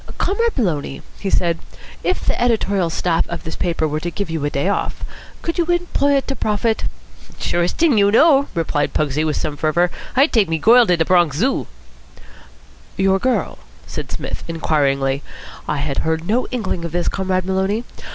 "Comrade Maloney," he said, "if the Editorial Staff of this paper were to give you a day off, could you employ it to profit?" "Surest t'ing you know," replied Pugsy with some fervour. "I'd take me goil to de Bronx Zoo." "Your girl?" said Psmith inquiringly. "I had heard no inkling of this, Comrade Maloney.